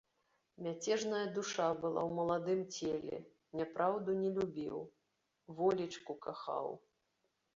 Мяцежная душа была ў маладым целе, няпраўду не любіў, волечку кахаў.